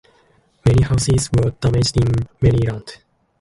Many houses were damaged in Maryland.